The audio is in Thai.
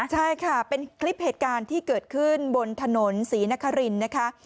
ใช่ค่ะเป็นคลิปเหตุการณ์ที่เกิดขึ้นบนถนนศรีนครินนะคะ